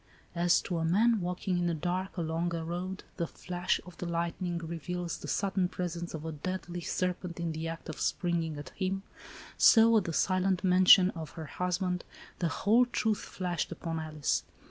— As, to a man, walking in the dark, along a road, the flash of the lightning reveals the sudden presence of a deadly serpent in the act of springing at him, so, at the silent mention of her husband, the whole truth flashed upon Alice.